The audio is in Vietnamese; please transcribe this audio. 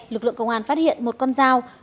lực lượng công an phát hiện một con dao